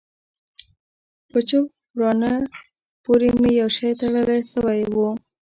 په چپ ورانه پورې مې يو شى تړل سوى و.